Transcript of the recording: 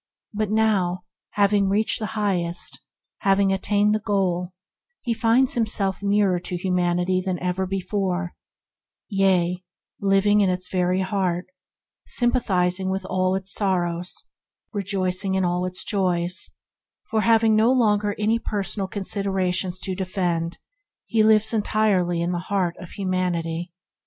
Now, having reached the highest, having attained the goal, he finds himself nearer to humanity than ever before — yea, living in its very heart, sympathizing with all its sorrows, rejoicing in all its joys; having no longer any personal considerations to defend, he lives entirely in the heart of humanity.